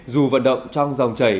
dù vận động trong dòng chảy